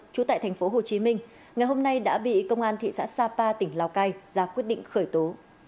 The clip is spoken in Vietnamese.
trú tại thành phố hồ chí minh ngày hôm nay đã bị công an thị xã sapa tỉnh lào cai ra quyết định khởi tố